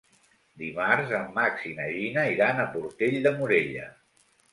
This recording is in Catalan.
Dimarts en Max i na Gina iran a Portell de Morella.